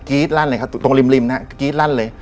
กรี๊ดลั่นเลยครับตรงริมนะครับกรี๊ดลั่นเลย